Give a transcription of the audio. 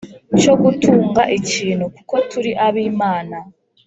cyo gutunga ikintu, kuko turi ab'Imana,